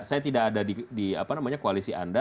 saya tidak ada di apa namanya koalisi anda